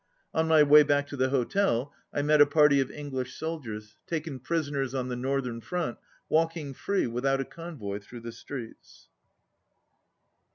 On my way back to the hotel I met a party of English soldiers, taken prisoners on the northern front, walking free, with out a convoy, through the streets.